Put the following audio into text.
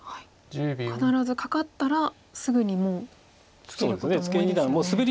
必ずカカったらすぐにもうツケることも多いですよね。